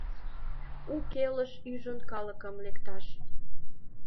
У келыш ӱжын калыкым лекташ!